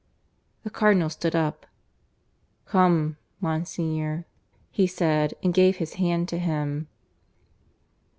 The Cardinal stood up. "Come, Monsignor," he said, and gave his hand to him.